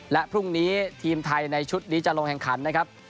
และพรุ่งนี้ทีมไทยในชุดนี้จะลงแข่งขันนะครับ